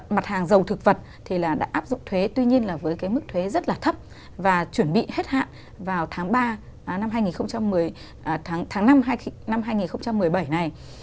mặt hàng dầu thực vật thì là đã áp dụng thuế tuy nhiên là với cái mức thuế rất là thấp và chuẩn bị hết hạn vào tháng ba năm hai nghìn một mươi bảy này